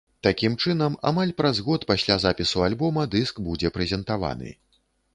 Такім чынам, амаль праз год пасля запісу альбома дыск будзе прэзентаваны.